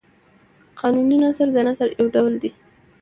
قانوني نثر د نثر یو ډول دﺉ.